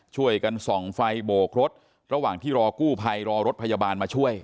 ช่วยกันส่องไฟโบกรถระหว่างที่รอกู้ภัยรอรถพยาบาลมาช่วย